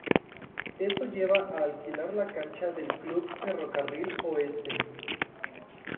Esto lleva a alquilar la cancha del club Ferro Carril Oeste.